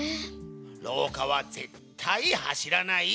ろうかはぜったいはしらない。